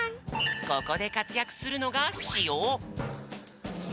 ここでかつやくするのがしお。